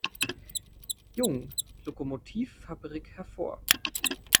Jung Lokomotivfabrik hervor.